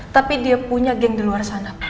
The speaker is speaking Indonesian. tapi dia punya geng di luar sana